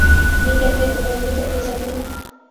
یہ کیفیت دیوانگی تک لے جاتی ہے۔